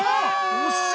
惜しい！